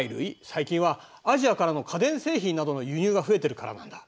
最近はアジアからの家電製品などの輸入が増えてるからなんだ。